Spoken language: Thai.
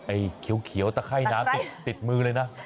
ไอ้เขียวตะไข้น้ำติดมือเลยนะ